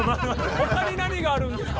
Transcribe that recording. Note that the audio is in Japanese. ほかに何があるんですか？